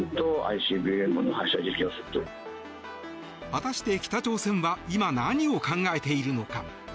果たして北朝鮮は今、何を考えているのか。